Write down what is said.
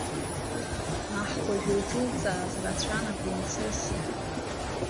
Аҳкәажә илҿылҵааз рацәан Апирнцесса.